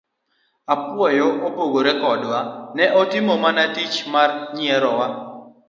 Apuoyo pogore kodwa, en otimo mana tich mar nyierowa.